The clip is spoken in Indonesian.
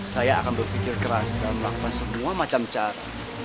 saya akan berpikir keras dan melakukan semua macam cara